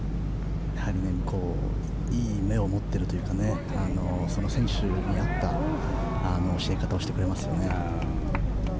いい目を持っているというかその選手に合った教え方をしてくれますよね。